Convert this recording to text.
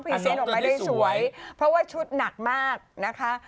อ่าน้องก็ได้สวยเพราะว่าชุดหนักมากนะคะ